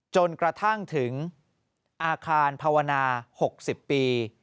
จนกระทั่งถึงอาคารภาวนา๖๐ปี